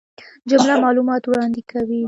جمله معلومات وړاندي کوي.